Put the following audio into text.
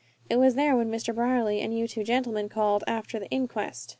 It was there when Mr. Brierly and you two gentlemen called, after the inquest."